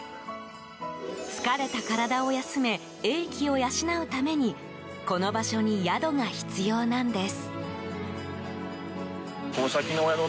疲れた体を休め英気を養うためにこの場所に宿が必要なんです。